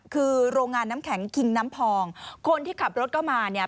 คือโรงงานน้ำแข็งคิงน้ำพองคนที่ขับรถเข้ามาเนี่ย